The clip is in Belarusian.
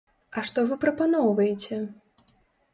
А што вы прапаноўваеце?